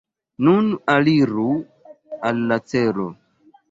Nun aliru al la celo!